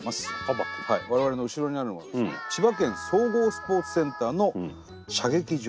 我々の後ろにあるのが千葉県総合スポーツセンターの射撃場。